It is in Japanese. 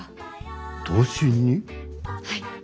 はい。